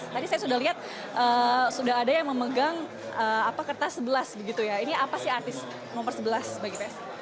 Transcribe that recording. tadi saya sudah lihat sudah ada yang memegang kertas sebelas begitu ya ini apa sih artis nomor sebelas bagi psi